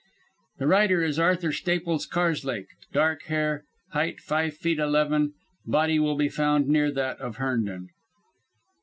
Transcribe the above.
"The writer is Arthur Staples Karslake, dark hair, height five feet eleven, body will be found near that of Herndon.